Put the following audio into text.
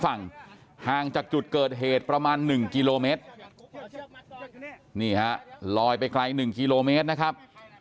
ฝั่งห่างจากจุดเกิดเหตุประมาณ๑กิโลเมตรนี่ฮะลอยไปไกล๑กิโลเมตรนะครับ